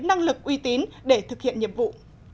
năng lực uy tín để thực hiện nhiệm vụ